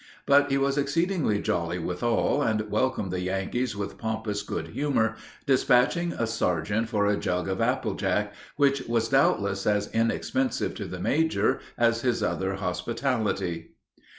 But he was exceedingly jolly withal, and welcomed the Yankees with pompous good humor, despatching a sergeant for a jug of applejack, which was doubtless as inexpensive to the major as his other hospitality.